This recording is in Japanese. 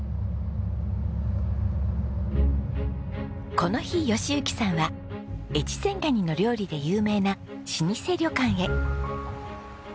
この日喜行さんは越前ガニの料理で有名な老舗旅館へ。